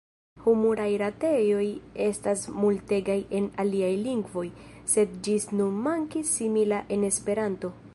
Humuraj retejoj estas multegaj en aliaj lingvoj, sed ĝis nun mankis simila en Esperanto.